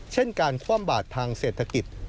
เช่นการคว่ำบาดทางเศรษฐกิจ